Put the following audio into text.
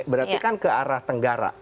berarti kan ke arah tenggara